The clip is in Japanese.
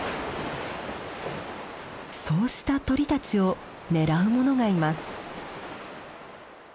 そうした鳥たちを狙うものがいます。